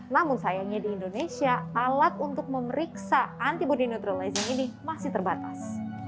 namun sayangnya di indonesia alat untuk memeriksa antibody neutralizing ini masih terbatas